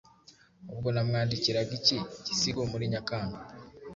ubwo namwandikiraga iki gisigo muri Nyakanga.